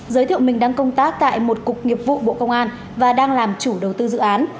giới thiệu mình đang công tác tại một cục nghiệp vụ bộ công an và đang làm chủ đầu tư dự án